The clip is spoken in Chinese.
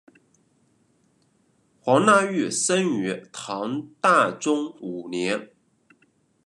黄讷裕生于唐大中五年。